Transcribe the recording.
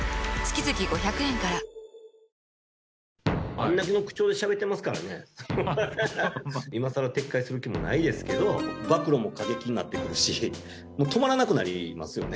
あれだけの口調でしゃべってますからね、今さら撤回する気もないですけど、暴露も過激になってくるし、もう止まらなくなりますよね。